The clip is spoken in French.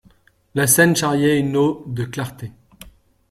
La Seine charriait une eau de clartés.